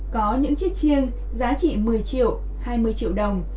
có những chiếc chiêng giá trị một mươi triệu hai mươi triệu đồng